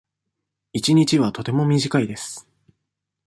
一日はとても短いです。